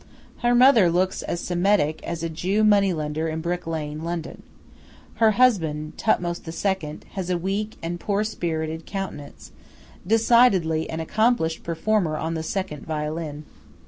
Her mother looks as Semitic as a Jew moneylender in Brick Lane, London. Her husband, Thothmes II., has a weak and poor spirited countenance decidedly an accomplished performer on the second violin.